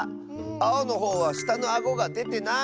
あおのほうはしたのあごがでてない！